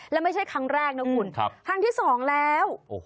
แล้วไม่ใช่ครั้งแรกนะคุณครั้งที่สองแล้ว